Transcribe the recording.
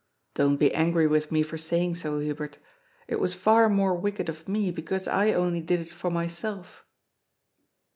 Don't be angry with me for saying so, Hubert It was far more wicked of me, because I only did it for myself."